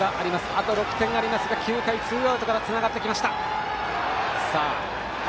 あと６点ありますが９回ツーアウトからつながってきました。